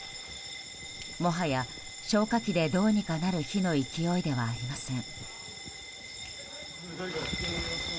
もはや、消火器でどうにかなる火の勢いではありません。